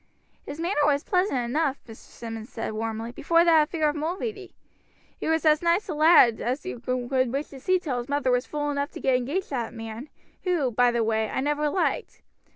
"His manner was pleasant enough," Mr. Simmonds said warmly, "before that affair of Mulready. He was as nice a lad as you would wish to see till his mother was fool enough to get engaged to that man, who, by the way, I never liked.